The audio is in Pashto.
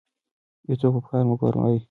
یو څوک په کار وګمارئ.